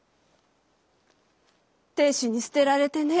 亭主に捨てられてね。